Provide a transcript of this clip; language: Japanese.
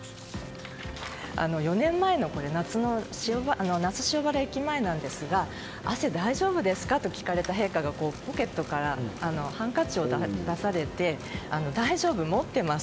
４年前の那須塩原駅前なんですが汗大丈夫ですかと聞かれた陛下がポケットからハンカチを出されて大丈夫、持ってます